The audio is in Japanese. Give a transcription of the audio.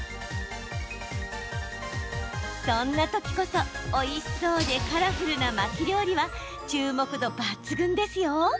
そんな時こそ、おいしそうでカラフルな巻き料理は注目度抜群ですよ。